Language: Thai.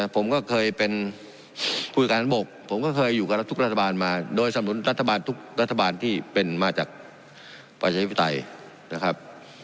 ผมก็เคยเป็นผู้การบกผมก็เคยอยู่กับทุกรัฐบาลมาโดยสำนุนรัฐบาลทุกรัฐบาลที่เป็นมาจากประชาธิปไตยนะครับ